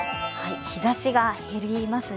日ざしが減りますね。